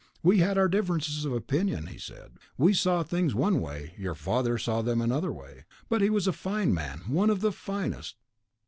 "We had our differences of opinion," he said. "We saw things one way, your father saw them another way. But he was a fine man, one of the finest...."